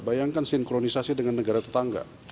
bayangkan sinkronisasi dengan negara tetangga